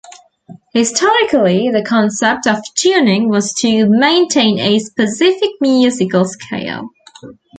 Historically, the concept of tuning was to maintain a specific musical scale.